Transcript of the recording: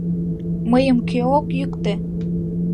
Мыйым кӧ ок йӱктӧ!..